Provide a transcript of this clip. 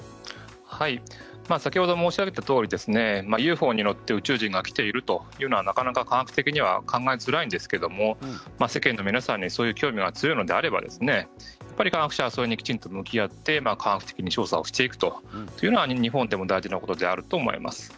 先ほど申し上げたとおりＵＦＯに乗って宇宙人が来ているというのはなかなか科学的には考えづらいんですけれども世間の皆さんにそういう興味が強いのであれば科学者はきちんと向き合って科学的に調査をしていくというのが日本でも大事なことであると思います。